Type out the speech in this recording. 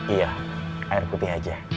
iya air putih aja